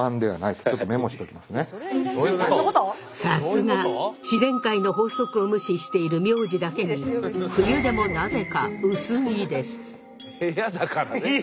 さすが自然界の法則を無視している名字だけに冬でもなぜか薄着です。